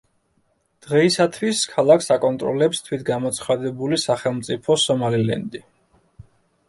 დღეისათვის ქალაქს აკონტროლებს თვითგამოცხადებული სახელმწიფო სომალილენდი.